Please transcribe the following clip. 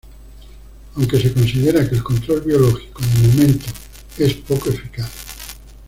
Aunque se considera que el control biológico, de momento, es poco eficaz.